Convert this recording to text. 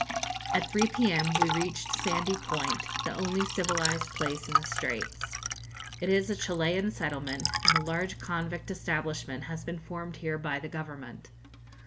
At 3 p.m. we reached Sandy Point, the only civilised place in the Straits. It is a Chilian settlement, and a large convict establishment has been formed here by the Government.